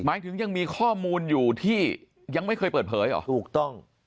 ถึงยังมีข้อมูลอยู่ที่ยังไม่เคยเปิดเผยเหรอถูกต้อง